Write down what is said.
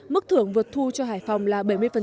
mức thưởng vượt thu cho hải phòng là bảy mươi